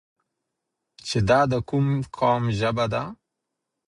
چې دا د کوم قوم ژبه ده؟